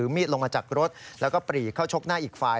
มีดลงมาจากรถแล้วก็ปรีเข้าชกหน้าอีกฝ่าย